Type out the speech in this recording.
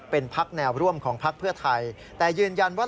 เป็นพักแนวร่วมของพักเพื่อไทยแต่ยืนยันว่า